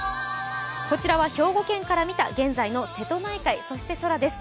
こちらは兵庫県から見た現在の瀬戸内海、そして空です。